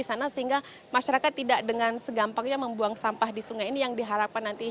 di sana sehingga masyarakat tidak dengan segampangnya membuang sampah di sungai ini yang diharapkan nanti